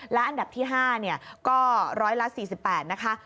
และอันดับที่๕ก็ร้อยละ๔๘นะคะ